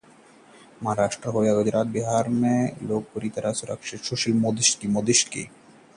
महाराष्ट्र हो या गुजरात, बिहार के लोग पूरी तरह सुरक्षित: सुशील मोदी